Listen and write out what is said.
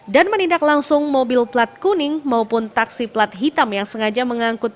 dan menindak langsung mobil plat kuning maupun taksi plat hitam yang sengaja mengangkut